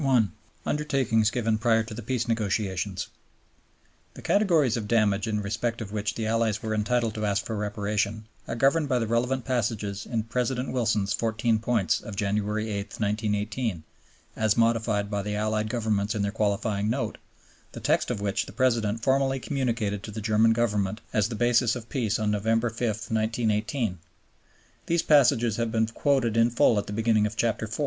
Undertakings given prior to the Peace Negotiations The categories of damage in respect of which the Allies were entitled to ask for Reparation are governed by the relevant passages in President Wilson's Fourteen Points of January 8, 1918, as modified by the Allied Governments in their qualifying Note, the text of which the President formally communicated to the German Government as the basis of peace on November 5, 1918. These passages have been quoted in full at the beginning of Chapter IV.